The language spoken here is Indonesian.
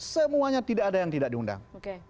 semuanya tidak ada yang tidak diundang